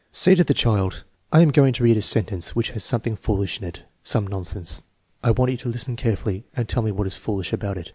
Say to the child: " I am going to read a sentence which has something foolish in it, some nonsense. I want you to listen carefully and tell me what is foolish about it."